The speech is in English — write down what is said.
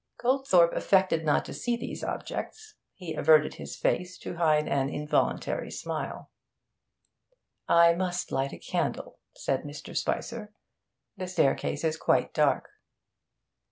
Goldthorpe affected not to see these objects; he averted his face to hide an involuntary smile. 'I must light a candle,' said Mr. Spicer. 'The staircase is quite dark.'